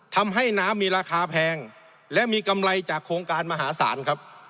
ทำให้น้ำมีราคาแพงและมีกำไรจากโครงการมหาศาลครับ